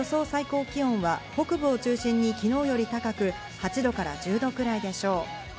最高気温は北部を中心に昨日より高く８度から１０度くらいでしょう。